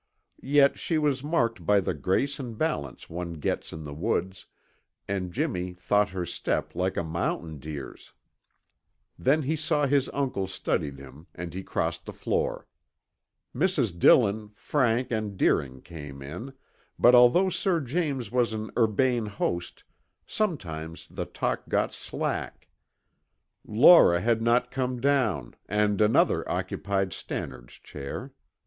Yet she was marked by the grace and balance one gets in the woods, and Jimmy thought her step like a mountain deer's. Then he saw his uncle studied him and he crossed the floor. Mrs. Dillon, Frank and Deering came in, but although Sir James was an urbane host sometimes the talk got slack. Laura had not come down and another occupied Stannard's chair.